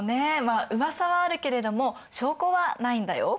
まあうわさはあるけれども証拠はないんだよ。